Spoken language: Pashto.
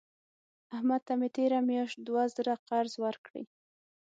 احمد ته مې تېره میاشت دوه زره قرض ورکړې.